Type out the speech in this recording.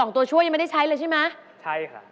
ตัวช่วยยังไม่ได้ใช้เลยใช่ไหมใช่ค่ะ